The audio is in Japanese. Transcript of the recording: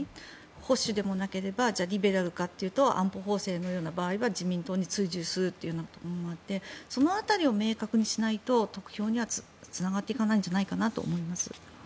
保守でもなければリベラルかというと安保法制のような場合は自民党に追従するようなところもあってその辺りを明確にしないと得票にはつながっていかないんじゃないかなと思います。